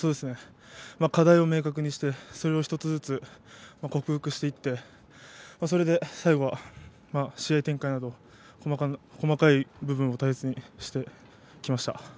課題を明確にしてそれを１つずつ克服していってそれで、最後は試合展開など細かい部分を大切にしてきました。